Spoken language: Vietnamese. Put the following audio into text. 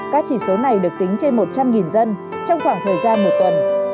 các chỉ số này được tính trên một trăm linh dân trong khoảng thời gian một tuần